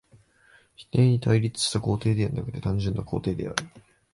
否定に対立した肯定でなくて単純な肯定である。